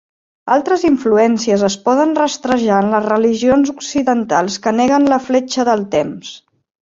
Altres influències es poden rastrejar en les religions orientals que neguen la fletxa del temps.